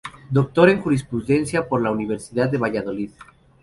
Doctor en Jurisprudencia por la Universidad de Valladolid.